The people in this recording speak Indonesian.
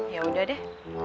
ya udah deh